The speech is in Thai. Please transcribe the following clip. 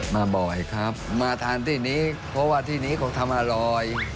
มาบ่อยครับมาทานที่นี้เพราะว่าที่นี้เขาทำอร่อย